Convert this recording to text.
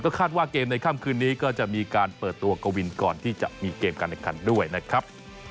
คาดว่าเกมในค่ำคืนนี้ก็จะมีการเปิดตัวกวินก่อนที่จะมีเกมการแข่งขันด้วยนะครับ